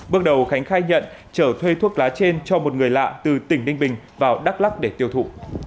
bước đầu khánh khai nhận trở thuê thuốc lá trên cho một người lạ từ tỉnh ninh bình vào đắk lắc để tiêu thụ